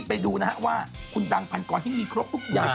ไปดูนะฮะว่าคุณดังพันกรที่มีครบทุกอย่าง